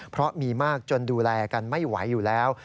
เพราะมีมากจนดูแลกันไม่ไหวอยู่แล้ว